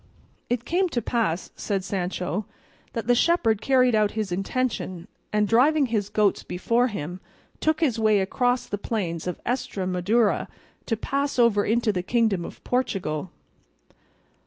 "It came to pass," said Sancho, "that the shepherd carried out his intention, and driving his goats before him took his way across the plains of Estremadura to pass over into the Kingdom of Portugal.